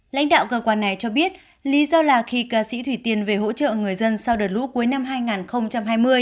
lãnh đạo cơ quan này cho biết lý do là khi ca sĩ thủy tiên về hỗ trợ người dân sau đợt lũ cuối năm hai nghìn hai mươi